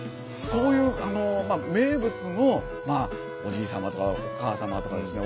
そういう名物のおじい様とかおかあ様とかですね